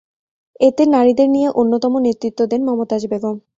এতে নারীদের নিয়ে অন্যতম নেতৃত্ব দেন মমতাজ বেগম।